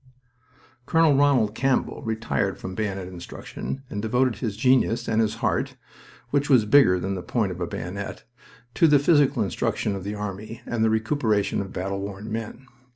Col. Ronald Campbell retired from bayonet instruction and devoted his genius and his heart (which was bigger than the point of a bayonet) to the physical instruction of the army and the recuperation of battle worn men.